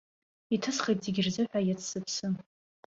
Иҭысхит зегь рзыҳәа иац сыԥсы.